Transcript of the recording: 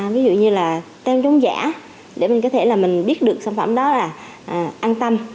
ví dụ như là tem trống giả để mình có thể biết được sản phẩm đó là ăn tăm